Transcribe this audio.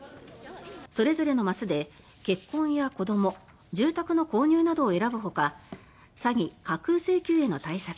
それぞれのマスで結婚や子ども住宅の購入などを選ぶほか詐欺・架空請求への対策